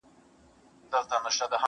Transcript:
پښتین ته:،